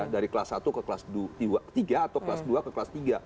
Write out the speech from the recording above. dari kelas satu ke kelas tiga atau kelas dua ke kelas tiga